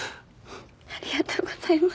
ありがとうございます。